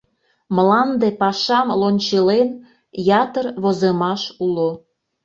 Мланде пашам лончылен, ятыр возымаш уло.